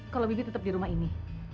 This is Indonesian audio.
kalau bibit tetap di rumah ini